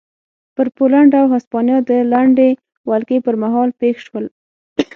پر پولنډ او هسپانیا د لنډې ولکې پرمهال پېښ شول.